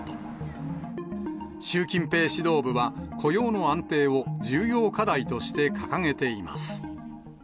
習近平指導部は、雇用の安定を重要課題として掲げています。